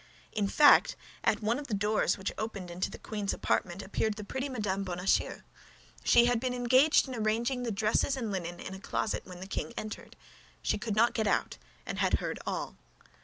In fact, at one of the doors which opened into the queen's apartment appeared the pretty Mme. Bonacieux. She had been engaged in arranging the dresses and linen in a closet when the king entered; she could not get out and had heard all.